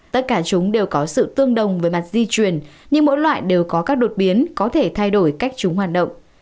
tất cả chúng đều có sự tương đồng với mặt di chuyển nhưng mỗi loại đều có các đột biến có thể thay đổi cách chúng hoạt động